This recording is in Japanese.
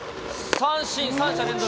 三振、三者連続。